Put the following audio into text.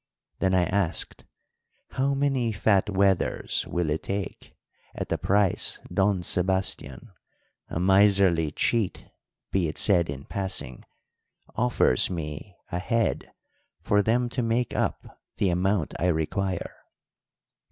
Then I asked, How many fat wethers will it take at the price Don Sebastian a miserly cheat be it said in passing offers me a head for them to make up the amount I require?